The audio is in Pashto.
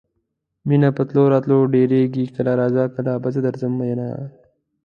مینه په تلو راتلو ډیریږي کله راځه کله به زه درځم میینه